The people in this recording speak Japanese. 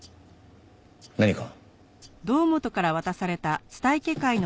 何か？